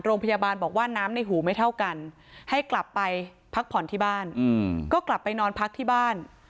โรงพยาบาลบอกว่าน้ำในหูไม่เท่ากันให้กลับไปพักผ่อนที่บ้านก็กลับไปนอนพักที่บ้าน